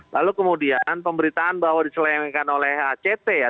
lalu kemudian pemberitaan bahwa diselewengkan oleh act ya